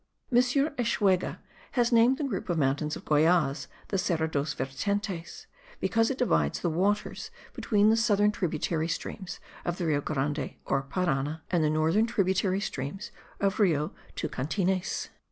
M. Eschwege has named the group of mountains of Goyaz the Serra dos Vertentes, because it divides the waters between the southern tributary streams of the Rio Grande or Parana, and the northern tributary streams of Rio Tucantines.